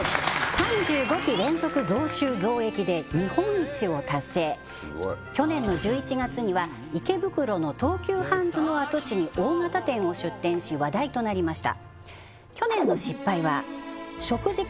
３５期連続増収増益で日本一を達成すごい去年の１１月には池袋の東急ハンズの跡地に大型店を出店し話題となりました